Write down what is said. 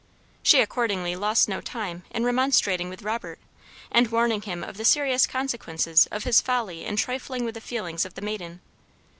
She accordingly lost no time in remonstrating with Robert, and warning him of the serious consequences of his folly in trifling with the feelings of the maiden.